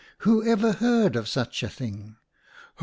Who ever heard of such a thing ?